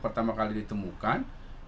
yang pertama kali ditemukan